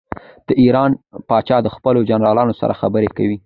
د ایران پاچا د خپلو جنرالانو سره خبرې کوي.